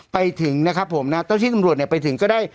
ไปถึงนะครับผมนะเจ้าที่ตำรวจเนี่ยไปถึงก็ได้